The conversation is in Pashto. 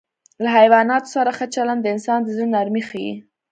له حیواناتو سره ښه چلند د انسان د زړه نرمي ښيي.